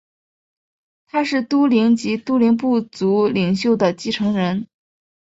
他是都灵及都灵部族领袖的继承人。